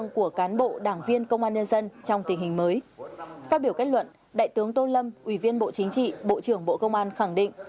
phát biểu kết luận đại tướng tô lâm ủy viên bộ chính trị bộ trưởng bộ công an khẳng định